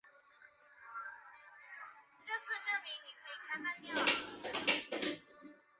但本的养女艾莉克斯计划用炸药杀死前来偷袭的人。